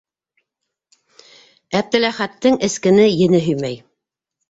Әптеләхәттең эскене ене һөймәй.